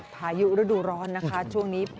พายุฤดูร้อนนะคะช่วงนี้